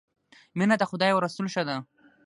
مینه د خدای او رسول ښه ده